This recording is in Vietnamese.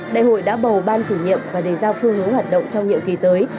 đại hội đã bầu ban chủ nhiệm và đề ra phương hướng hoạt động trong nhiệm kỳ tới